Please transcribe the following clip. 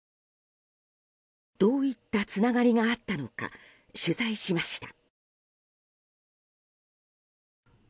どういったつながりがあったのか取材しました。